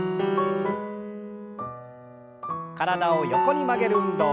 体を横に曲げる運動。